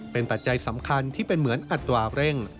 เป็นปัจจัยสำคัญที่เป็นเหมือนอัตราเร่ง